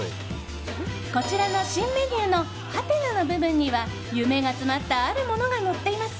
こちらの新メニューのはてなの部分には夢が詰まったあるものがのっています。